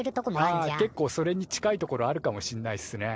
あ結構それに近いところあるかもしんないっすね。